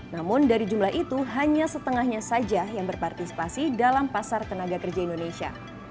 namun dari jumlah itu hanya setengahnya saja yang berpartisipasi dalam pasar tenaga kerja indonesia